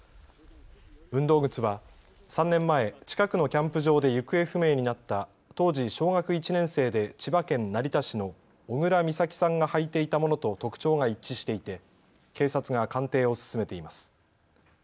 運動靴は３年前、近くのキャンプ場で行方不明になった当時、小学１年生で千葉県成田市の小倉美咲さんが履いていたものと特徴が一致していて警察が鑑定を進めています。